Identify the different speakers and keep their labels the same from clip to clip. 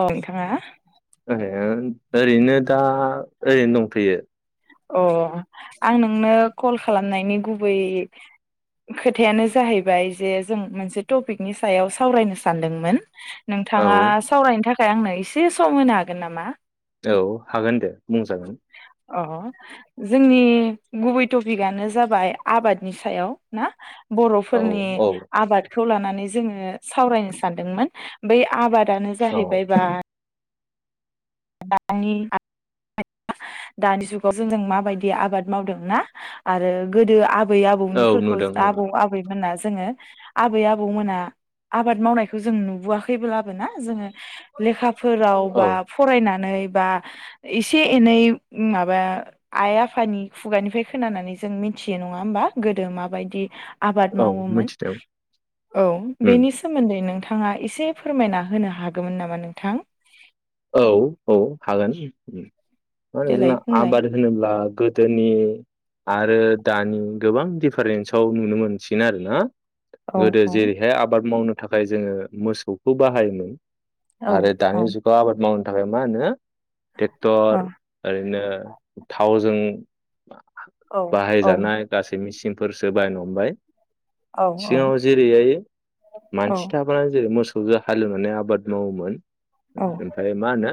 Speaker 1: औ नोंथाङा।
Speaker 2: ओरैनो दा ओरैनो दंथयो।
Speaker 1: अ आं नोंनो कल खालामनायनि गुबै खोथायानो जाहैबाय जे जों मोनसे टपिकनि सायाव सावरायनो सानदोंमोन।
Speaker 2: औ
Speaker 1: नोंथाङा सावरायनो थाखाय। आंनो एसे सम होनो हागोन नामा?
Speaker 2: औ हागोन दे बुंजागोन।
Speaker 1: अ अ जोंनि गुबै टपिकआनो जाबाय आबादनि सायाव ना?
Speaker 2: औ
Speaker 1: बर'फोरनि
Speaker 2: औ
Speaker 1: आबाद। खौ लानानै जोङो सावरायनो सानदोंमोन बै आबाद। दानो
Speaker 2: औ
Speaker 1: जाहैबाय बा दानि [unintelligible] दानि जुगाव जों माबायदि आबाद मावदों ना आरो गोदो आब आबै
Speaker 2: औ
Speaker 1: आबौनिफोरखौ
Speaker 2: नुदों उम
Speaker 1: आबौ आबैमोना जोङो आबै आबौमोना आबाद मावनायखौ जों नुबोआखैब्लाबो ना जोङो लेखाफोराव
Speaker 2: औ
Speaker 1: बा फरायनानै बा एसे एनै माबा आइ आफानि खुगानिफ्राय खोनानानै जों मिथियो नङा होमबा गोदो माबायदि आबाद
Speaker 2: औ
Speaker 1: मावोमोन
Speaker 2: मिथिदों
Speaker 1: औ
Speaker 2: उम
Speaker 1: बेनि सोमोन्दै नों नोंथाङा एसे फोरमायना होनो हागौमोन नामा नोंथां?
Speaker 2: औ औ हागोन ओम। मा होनो
Speaker 1: देलाय
Speaker 2: जोंना
Speaker 1: बुंलाय
Speaker 2: आबाद होनोब्ला गो दोनि आरो दानि गोबां दिफारेन्सआव नुनो मोनसिन आरो ना‌।
Speaker 1: औ
Speaker 2: गोदो
Speaker 1: औ
Speaker 2: जेरैहाय आबाद मावनो थाखाय जोङो मोसौखौ बाहायोमोन।
Speaker 1: औ
Speaker 2: आरो दानि
Speaker 1: औ
Speaker 2: जुगाव मावनो थाखाय मा होनो ट्रेक्टर
Speaker 1: औ
Speaker 2: ओरैनो थावजों
Speaker 1: औ
Speaker 2: बाहायजानाय गासै मेचिनफोरसो बायनो हमबाय
Speaker 1: औ औ
Speaker 2: सिगाङाव जेरैहाय
Speaker 1: औ
Speaker 2: मानसि थाबा जेरै मोसौ हालेवनानै आबाद मावोमोन।
Speaker 1: औ
Speaker 2: ओमफ्राय मा होनो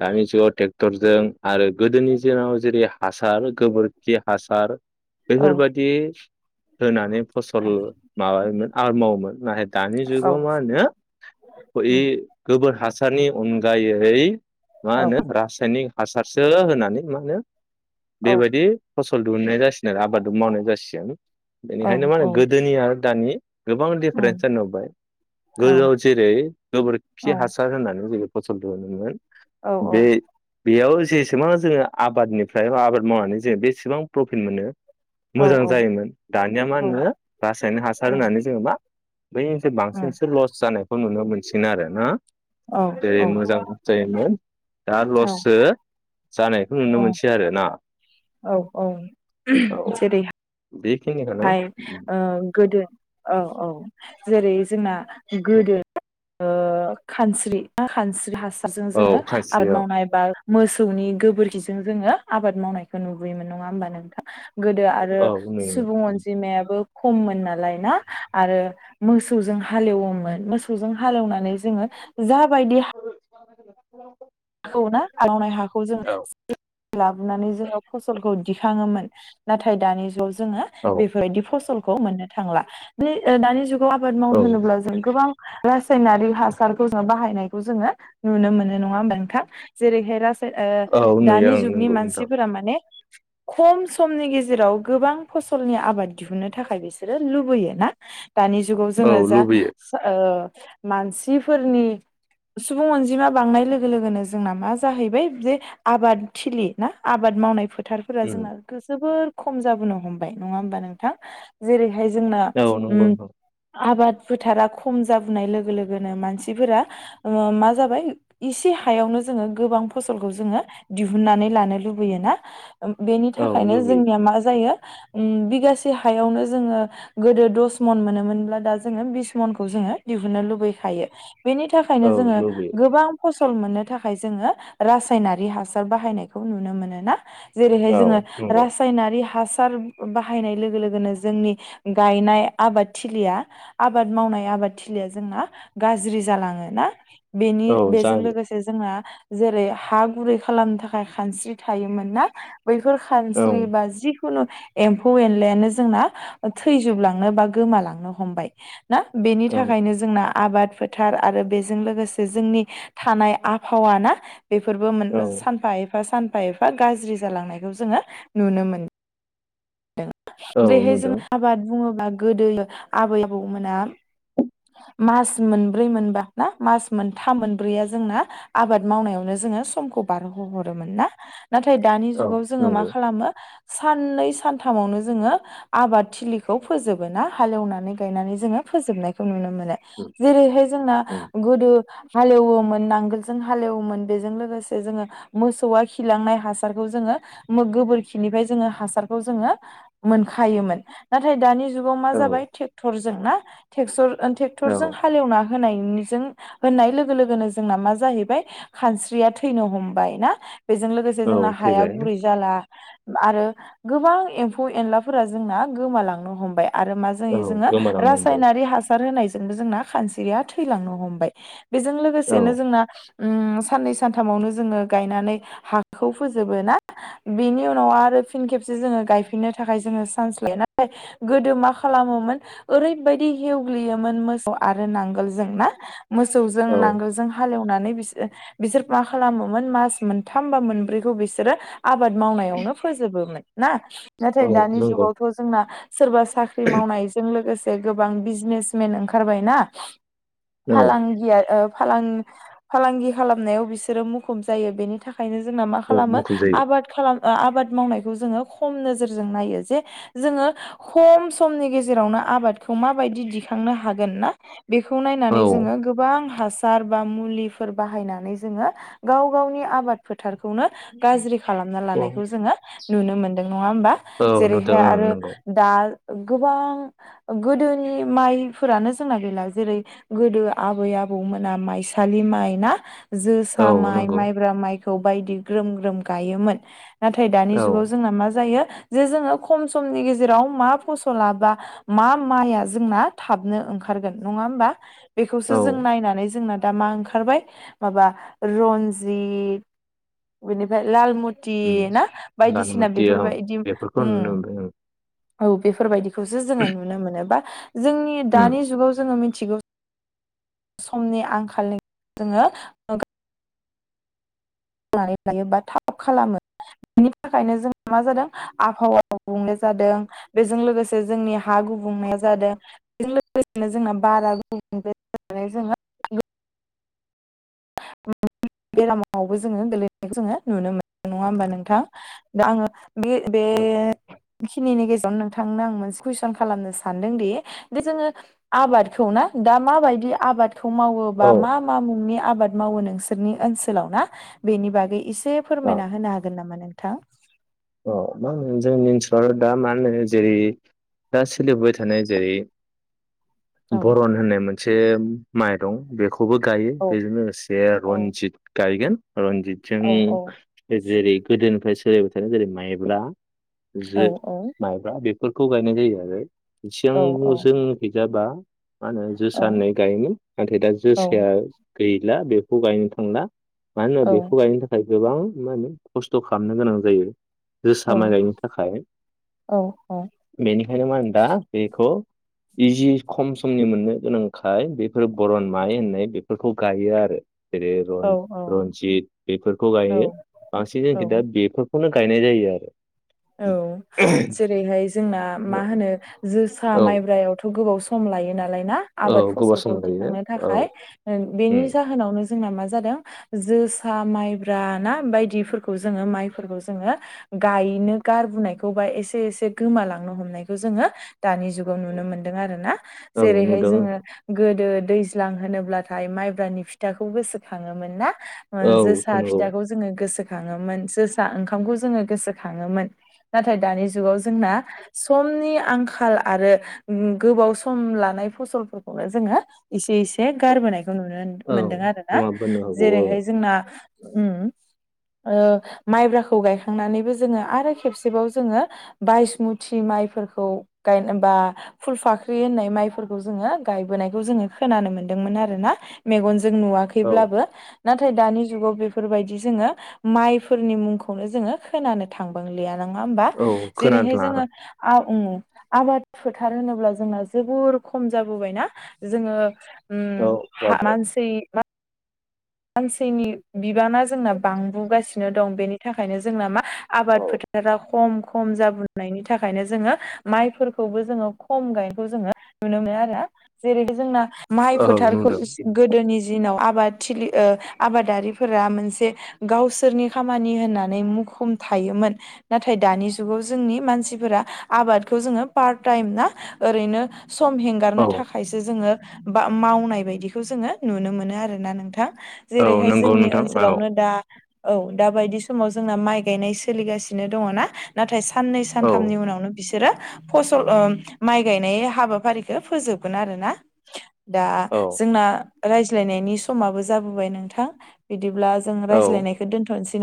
Speaker 2: दानि जुगाव ट्रेक्टर जों आरो गोदोनि जिनाव जेरै हासार गोबोरखि हासार
Speaker 1: औ
Speaker 2: बेफोरबादि दोनानै फसल माबायोमोन। आरो मावोमोन [unintelligible] दानि
Speaker 1: औ
Speaker 2: जुगाव मा होनो ए
Speaker 1: उम
Speaker 2: गोबोर हासारनि अनगायैै मा
Speaker 1: औ
Speaker 2: होनो रासायनिक हासारसो होनानै मानो
Speaker 1: औ
Speaker 2: बेबायदि फस फल दिहुनाय जासिगोन आरो आबाद मावनाय जासिगोन
Speaker 1: औ
Speaker 2: बेनिखायनो मा होनो गोदोनि आरो दानि गोबां
Speaker 1: उम
Speaker 2: दिफारेन्सआ नुबाय
Speaker 1: औ
Speaker 2: गोदोआव जेरै
Speaker 1: औ
Speaker 2: गोबोरखि हासार होननानै जो फसल दिहुनोमोन।
Speaker 1: औ औ
Speaker 2: बेयाव जेसेबां जोङो आबादनिफ्राय बा आबाद मावनानै जोङो बेसेबां प्रफिट मोनो
Speaker 1: औ
Speaker 2: मोजां
Speaker 1: औ
Speaker 2: जायोमोन दानिया मा होनो रासायनिक
Speaker 1: उम
Speaker 2: हासार होनानै जोङो मा बैनोस
Speaker 1: उम
Speaker 2: बांसिनसो लस जानाय खौ नुनो मोनसिन आरो ना।
Speaker 1: औ
Speaker 2: जेरै मोजां जायोमोन दा लससो। जानायखौ नुनो
Speaker 1: औ उम
Speaker 2: मोनसै आरो ना।
Speaker 1: औ औ
Speaker 2: औ
Speaker 1: जेरै
Speaker 2: बेखिनिखौनो
Speaker 1: हा य गोदो औ औ जेरै जोंना
Speaker 2: औ
Speaker 1: गोदो ओ खानस्रि [unintelligible] खानस्रि हास सारजों
Speaker 2: औ
Speaker 1: जोङो आबाद
Speaker 2: खानस्रियाव
Speaker 1: मावनाय बा मोसौनि गोबोरखिजों जोङो आबाद मावनायखौ नुबोयोमोन नङा होमबा नोंथां गोदो आरो
Speaker 2: औ
Speaker 1: सुबुं
Speaker 2: नुयोमोन
Speaker 1: अनजिमायाबो खममोन नालाय ना आरो मोसौजों हालेवोमोन मोसौजों हालेवनानै जोङो जा बायदिया हा
Speaker 2: [unintelligible]
Speaker 1: खौ ना हालैना हाखौ जों
Speaker 2: औ
Speaker 1: लाबो नुनानै जोङो फसलखौ दिखाङोमोन नाथाय दानि जुगाव जों जोङो
Speaker 2: औ
Speaker 1: बेफोरबायदि फसल खौ मोननो थांला बे ओ दानिजुग खौ आबाद
Speaker 2: औ
Speaker 1: मावनो होनोब्ला जों गोबां रासायनारिक हासारखौ जों बाहायनायखौ जोङो नुनो मोनो नङा होनब था जेरैहाय राज ओ
Speaker 2: औ नुयो
Speaker 1: दानि
Speaker 2: आं
Speaker 1: जुगनि
Speaker 2: नंगौ नोंथां
Speaker 1: मानसिफोरा माने खम समनि गेजेराव गोबां फसलनि आबाद दिहुननो थाखाय बिसोरो लुबैयो ना दानि जुगाव
Speaker 2: औ
Speaker 1: जोङो जा
Speaker 2: लुबैयो
Speaker 1: ओ मानसिफोरनि सुबुं अनजिमा बांनाय लोगो लोगोनो जोंना मा जाहैबाय जे आबाद थिलि ना आबाद मावनायफोर फोथारफोरा
Speaker 2: उम
Speaker 1: जोंना जोबोर खम जाबोनो हमबाय नङा होमबा नोंथां जेरै बेहाय जोंना
Speaker 2: औ नंगौ
Speaker 1: ओम
Speaker 2: नोंथां
Speaker 1: आबाद फोथारा खम जाबोनाय लोगो लोगोनो मानसिफोरा ओ मा जाबाय इसे हायावनो जोङो गोबां फसलखौ जोङो दिहुनन्नानै लानो लुबैयो ना बेनि
Speaker 2: औ
Speaker 1: थाखायनो
Speaker 2: लुबैयो
Speaker 1: जोंनिया मा जायो उ बिगासे हायावनो जोङो गोदो दस मन मोनोमोनब्ला दा जोङो बिस मनखौ जोङो दिहुनो लुबैखायो। बेनि थाखायनो
Speaker 2: औ
Speaker 1: जोङो
Speaker 2: लुबैयो
Speaker 1: गोबां फसल मोनो। नि थाखाय जोङो रासायनारि हासार बाहायनायखौ नुनो मोनोना जेरैहाय
Speaker 2: औ
Speaker 1: जोङो
Speaker 2: नंगौ
Speaker 1: रासायनारि हास सार बाहायनाय लोगो लोगोनो जोंनि गायनाय आबादथिलिया आबाद मावनाय आबाद थलिया जोंना गाज्रि जालाङो ना बेनि
Speaker 2: औ
Speaker 1: बेजों
Speaker 2: जायो
Speaker 1: लोगोसे जोंना जेरै हा गुरै खालामनो थाखाय खानस्रि थायोमोन ना बैफोर
Speaker 2: औ
Speaker 1: खानस्रि बा जि खुनु एम्फौ एनलायानो जोंना थैजोबलांनो बा गोमालांनो हमबाय। ना बेनि
Speaker 2: औ
Speaker 1: थाखायनो जोंना आबाद फोथार आरो बेजों लोगोसे जोंनि थानाय आबहावा ना बेफोरबो मोन
Speaker 2: औ
Speaker 1: सानफा एफा सान फा एफा गाज्रि जालांनायखौ जोङो नुनो मोनो। दों
Speaker 2: औ
Speaker 1: ओमफ्राहाय जों
Speaker 2: नुदों
Speaker 1: आबाद बुङो बा गोदो आबै आबौमोना मास मोनब्रै मोनबा ना मास मोनथाम मोनब्रैया जोंना आबाद मावनायावनो जोङो समखौ बारहोहरोमोन ना नाथाय दानि
Speaker 2: औ
Speaker 1: जुगाव जोङो मा
Speaker 2: नंगौ
Speaker 1: खालामो साननै सानथामावनो जोङो आबाद थिलिखौ फोजोबो ना हालेवनानै गायनानै जोङो फोजोबनाय खौ नुनो मोन नो
Speaker 2: उम
Speaker 1: जेरैहाय जोंना
Speaker 2: उम
Speaker 1: गोदो हालेवोमोन नांगोलजों हालेवोमोन बेजों लोगोसे जोङो मोसौआ खिलांनाय हासारखौ जोङो मो गोबोरखिनिफ्राय जोङो हासारखौ जोङो मोनखायोमोन नाथाय दानि जुगाव मा
Speaker 2: औ
Speaker 1: जाबाय ट्रेक्टरजों ना टेक्सर ओ टेक्टरजों
Speaker 2: औ
Speaker 1: हालेवना होनायजों होननाय लोगो लोगोनो जोंना मा जाहैबाय खानस्रिया थैनो हमबाय ना बेजों लोगोसे जोंना
Speaker 2: औ
Speaker 1: हाया
Speaker 2: थैबाय
Speaker 1: गुरै जाला आरो गोबां एम्फौ एनलाफोरा जोंना गोमालांनो हमबाय। आरो मा
Speaker 2: औ
Speaker 1: जायो जोङो
Speaker 2: गोमालांनो हमबाय
Speaker 1: रासायनारि हा सार होनायजोंबो जोंना खानस्रिया थैलांनो हमबाय। बेजों
Speaker 2: औ
Speaker 1: लोगोसेनो जोंना ओम साननै सानथामावनो जोङो गायनानै हाखौ फोजोबो ना बेनि उनाव आरो फिन खेबसे जोङो गायफिननो थाखाय जोङो सान्स लायो नाथाय गोदो मा खालामोमोन ओरैबायदि हेवग्लियोमोन मोसौ आरो नांगोलजों ना मोसौजों
Speaker 2: औ
Speaker 1: नांगोलजों हालेवना नानै बिसोर मा खालामोमोन मास मोनथाम बा मोनब्रैखौ बिसोरो आबाद मावनायावनो फोजोबोमोन ना नाथाय
Speaker 2: औ
Speaker 1: दानि
Speaker 2: नंगौ
Speaker 1: जुगावथ' जोंना सोरबा साख्रि मावनायजों लोगोसे [unintelligible] गोबां बिजनेसमेन ओंखारबायना
Speaker 2: औ
Speaker 1: फालांगिया ओब फालां--फालांगि खालामनायाव बिसोरो मुखुब जायो बेनि थाखाय थाखायनो जोंना मा
Speaker 2: औ
Speaker 1: खालामो
Speaker 2: मुखुब जायो
Speaker 1: आबाद खालामो आबाद मावनायखौ जोङो खम नोजोरजों नायो जे जोङो खम समनि गेजेरावनो आबाद खौ माबायदि दिखांनो हागोन ना बेखौ नायनानै
Speaker 2: औ
Speaker 1: जोङो गोबां हासार बा मुलिफोर बाहायनानै जोङो गाव गावनि आबाद फोद फोथारखौनो गाज्रि खालामना लानायखौ जोङो नुनो मोनदों नङा होमबा
Speaker 2: औ नुदों
Speaker 1: जेरैहाय
Speaker 2: ओं
Speaker 1: आरो
Speaker 2: नंगौ
Speaker 1: दा गोबां गोदोनि माइफोरानो जोंना गैला जेरै गोदो आबै आबौमोना माइसालि माइ ना, जोसा
Speaker 2: औ
Speaker 1: माइ
Speaker 2: नंगौ
Speaker 1: माइब्रा माइ, खौ बायदि ग्रोम ग्रोम गायोमोन। नाथाय दानि
Speaker 2: औ
Speaker 1: जुगाव जोंना मा जायो जे जोङो खम समनि गेजेराव मा फसलाबा मा माइआ जोंना थाबनो ओंखारगोन नङा होमबा? बेखौसो जों
Speaker 2: औ
Speaker 1: नायनानै जोंना दा मा ओंखारबाय माबा रनजित बिनिफ्राय लालमुद थि
Speaker 2: उम
Speaker 1: ना
Speaker 2: लानो
Speaker 1: बायदिसिना
Speaker 2: मोनथियो आं
Speaker 1: बेफोरबायदि
Speaker 2: बेफोरखौ
Speaker 1: उम
Speaker 2: नुनो मोनबाय आं
Speaker 1: औ बेफोरबायदि खौसो जो नु बा जोंनि दानि जुगाव जोङो मि थिगौ समनि आंखालनि जोङो नानै लायो बा थाब खालामो बेनि थाखायनो जोंहा मा जादों आबहावा बुंनाय जादों बेजों लोगोसे जोंनि हा गुबुंनाया जादों बेजों लोगोसेनो जोंना बारा गुबुंले जोङो [unintelligible] बेरामाव जोङो गैलैनायखौ जोङो नुनो मोन नङा होमबा नोंथां दा आङो बे
Speaker 2: उम
Speaker 1: बेखिनिनि गेजर नोंथांनो आं मोनसे कुइसन खालामनो सानदोंदि दि जोङो आबादखौ ना दा मा बायदि आबाद खौ मावोबा
Speaker 2: औ
Speaker 1: मा मा मुंनि आबाद मावो नोंसोर? नोंसोरनि ओनसोलाव ना, बेनि बागै इसे एसे
Speaker 2: औ
Speaker 1: फोरमायना होनो हागोन नामा नों? नोंथां
Speaker 2: औ मा होनो जोंनि ओनसोलाव' दा मा होनो जेरै दा सोलिबोबाय थानाय जेरै
Speaker 1: औ
Speaker 2: भरन होननाय मोन मोनसे माइरं बेखौ खौबो गायो
Speaker 1: औ
Speaker 2: बेजों लोगोसे
Speaker 1: औ
Speaker 2: रन्जित गायगोन। रनजितजों
Speaker 1: औ औ
Speaker 2: जेरै गोदो बाय सोलायबाय। जेरै माइब्रा।
Speaker 1: औ
Speaker 2: [unintelligible] माइब्रा। फोरखौ गायनाय जायो आरो। एसेगां
Speaker 1: औ
Speaker 2: बुंसो [unintelligible] मा होनो
Speaker 1: औ
Speaker 2: जोसा होननाय गायोमोन नाथाय दा
Speaker 1: औ
Speaker 2: जोसाया गैला। बे बेखौ गायनो थांला। मानो ना
Speaker 1: औ
Speaker 2: बेखौ गायनो थाखाय। गोबां मा होनो खस्थ' खालामनो गोनां जायो।
Speaker 1: औ
Speaker 2: जोसा माइ गायनो थाखाय,
Speaker 1: औ
Speaker 2: बेनिखायनो मा होनो दा बेखौ। इजि खम समनि मोननो गोनांखाय बेफोरो भरन माइ होननाय बेफोरखौ गायो आरो। जेरै रनजित बेफोरखौ
Speaker 1: औ
Speaker 2: गायो बांसिन जोंखि
Speaker 1: औ
Speaker 2: दा बे बेखौनो गायनाय जायो आरो।
Speaker 1: औ जेरैहाय जोंना मा होनो जोसा
Speaker 2: औ
Speaker 1: माइब्रायावथ' गोबाव सम लायो नालाय ना?
Speaker 2: औ
Speaker 1: आबाद
Speaker 2: गोबाव सम
Speaker 1: फसलखौ
Speaker 2: लायो
Speaker 1: दिखांनो
Speaker 2: औ
Speaker 1: थाखाय
Speaker 2: उम
Speaker 1: बेनि जाहोनावनो जोंना मा जादों? जोसा माइब्रा ना बायदिफोरखौ जोङो माइफोरखौ जोङो गायनो गारबोनायखौ बा एसे एसे गोमालांनो हमनायखौ जोङो दानि जुगाव नुनो मोनदों आरो ना।
Speaker 2: औ
Speaker 1: जेरैहाय
Speaker 2: नुदों
Speaker 1: जोङो गोदो दैज्लां होनोब्लाथाय माइब्रानि फिथाखौ गोसोखाङोमोन ना?
Speaker 2: औ
Speaker 1: जोसा
Speaker 2: नंगौ
Speaker 1: फिथाखौ जोङो गोसो गोखाङोमोन जोसा ओंखामखौ जोङो गोसोखाङोमोन। नाथाय दानि जुगाव जोंना समनि आंखाल आरो गोबाव सम लानाय फसलफोरखौनो जोङो एसे एसे बे गारबोनायखौ नुनो
Speaker 2: औ
Speaker 1: मोनदों आरो ना।
Speaker 2: गोमाबोनो हागौ ओं
Speaker 1: जेरैहाय जोंना ओ ओ माइब्राखौ गायखांनानैबो जोङो आरो खेबसेबाव जोङो बाइसमुथि माइफोरखौ, गायनो बा फुल फाख्रि होन्नाय माइफोरखौ जोङो गायबोनायखौ जोङो खोनानो मोनदों मोन आरो ना। मेगनजों जों
Speaker 2: औ
Speaker 1: नुवाखैब्लाबो नाथाय दानि जुगाव बेफोरबायदि जोङो। माइफोरनि मुंखौनो जोङो खोनानो थांबां। लिया नङा होमबा?
Speaker 2: औ
Speaker 1: जेरै हायो
Speaker 2: खोनाला
Speaker 1: जोङो आ ओ आबाद फोथार होनोब्ला जोंना जोबोर खम जाबोबायना? जोङो उ
Speaker 2: औ
Speaker 1: हा
Speaker 2: जाबाय
Speaker 1: मानसि सानसेनि बिबाना जोंना बांबुगास दं बेनि थाखायनो जोंना मा आबाद
Speaker 2: औ
Speaker 1: फोथारा खम खम जाबोनायनायनि थाखायनो जोङो माइफोरखौबो जोङो खम गायनायखौ जोङो नुनो मोनो आरो जेरैबो जोंना माइ
Speaker 2: औ
Speaker 1: फोथारखौ
Speaker 2: नुदों
Speaker 1: गोदोनि दिनाव आबाद थिलि ओ आबादारिफोरा मोनसे गावसोरनि खामानि होननानै मुखुम थायोमोन नाथाय दानि जुगाव जोंनि मानसिफोरा आबादखौ जोङो पार्ट टाइम ना ओरैनो सम हेंगारनो
Speaker 2: औ
Speaker 1: थाखायसो जोङो बा मावनाय बायदिखौ जोङो नुनो मोनो आरोना नोंथां।
Speaker 2: औ
Speaker 1: जेरैहाय
Speaker 2: नंगौ
Speaker 1: जोंनि
Speaker 2: नोंथां औ
Speaker 1: ओनसोलावनो दा औ दा बायदि समाव जोंना माइ गायनाय सोलिगासिनो दङना ना थाय साननै
Speaker 2: औ
Speaker 1: सानथामनि उनावनो बिस सोरो फसल ओ माइ गायनाय हाबाफारिखो फोजोबगोन आरो ना। दा
Speaker 2: औ
Speaker 1: जोंना रायज्लायनायनि समाबो जाबोबाय नोंथां बिद बिदिब्ला जों
Speaker 2: औ
Speaker 1: रायज्लायनायखौ दोन्थ'नोस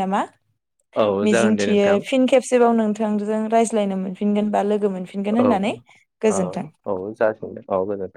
Speaker 2: औ
Speaker 1: [unintelligible]
Speaker 2: जागोन दे
Speaker 1: मिजिंथियो
Speaker 2: नोंथां
Speaker 1: फिन खेबस जेराव नोंथांजों रायज्लायनो मोनफिनगोन बा लोग गो मोनफिनगोन
Speaker 2: औ
Speaker 1: होननानै
Speaker 2: औ
Speaker 1: गोजोन्थों।
Speaker 2: औ जासिगोन दे औ गोजोन